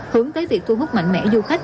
hướng tới việc thu hút mạnh mẽ du khách